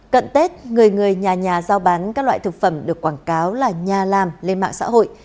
cận tết người người nhà nhà giao bán các loại thực phẩm được quảng cáo là nhà làm lên mạng xã hội